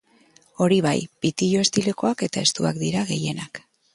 Hori bai, pitillo estilokoak eta estuak dira gehienak.